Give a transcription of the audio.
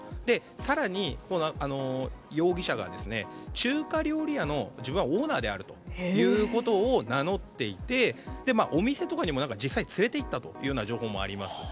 更に容疑者が中華料理屋のオーナーであるということを名乗っていて、お店とかにも実際に連れて行ったという情報もあります。